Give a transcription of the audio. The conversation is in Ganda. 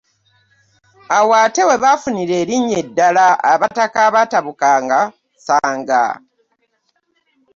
Awo ate we baafunira erinnya eddala: Abataka abataabuukanga ssanga.